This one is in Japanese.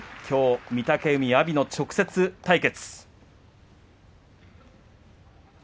きょう御嶽海と阿炎の直接対決。